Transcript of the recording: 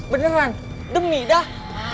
beneran demi dah